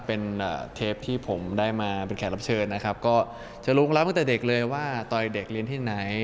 เป็นเทปที่ผมได้มาเป็นแขกรับเชิญนะครับก็จะลุกรับตั้งแต่เด็กเลยว่าตอนเด็กเรียนที่ไหน